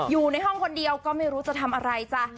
อยู่ในห้องคนเดียวก็ไม่รู้จะทำอะไรจ้ะ